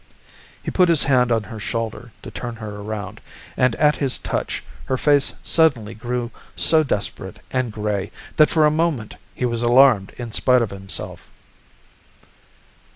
He put his hand on her shoulder to turn her around, and at his touch her face suddenly grew so desperate and gray that for a moment he was alarmed in spite of himself.